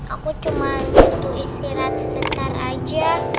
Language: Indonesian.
aku cuma butuh istirahat sebentar aja